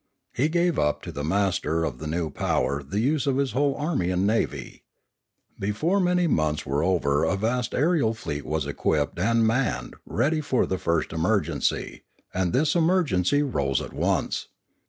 He gave up to the master of the new power the use of his whole army and navy. Before many months were over a vast aerial fleet was equipped and manned ready for 492 Limanora the first emergency, and this emergency arose at once.